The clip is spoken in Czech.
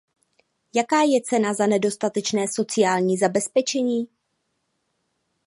Jaká je cena za nedostatečné sociální zabezpečení?